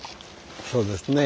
そうですね。